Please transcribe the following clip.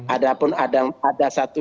ada pun ada satu